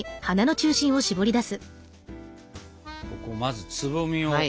ここまずつぼみを。